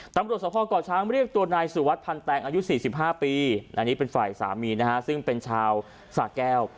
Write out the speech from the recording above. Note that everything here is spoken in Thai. ตำรวจสภก่อช้างเรียกตัวนายสุวัสดิพันแตงอายุ๔๕ปีอันนี้เป็นฝ่ายสามีนะฮะซึ่งเป็นชาวสาแก้ว